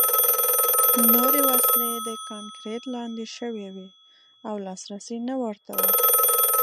نورې وسلې د کانکریټ لاندې شوې وې او لاسرسی نه ورته و